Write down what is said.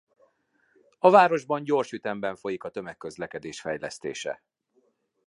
A városban gyors ütemben folyik a tömegközlekedés fejlesztése.